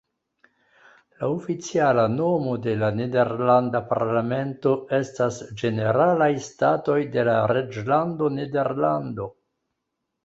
La oficiala nomo de la nederlanda parlamento estas "Ĝeneralaj Statoj de la Reĝlando Nederlando".